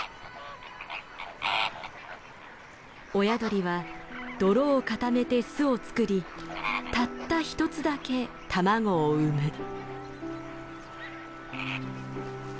親鳥は泥を固めて巣を作りたった１つだけ卵を産む。